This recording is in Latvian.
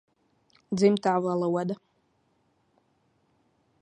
Dzimtā valoda